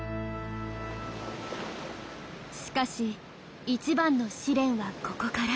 しかし一番の試練はここから。